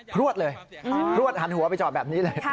พลวดเลยพลวดหันหัวไปจอดแบบนี้เลย